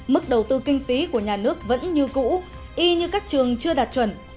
mức đầu tư kinh phí của nhà nước vẫn như cũ y như các trường chưa đạt chuẩn